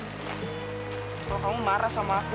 kalau kamu marah sama aku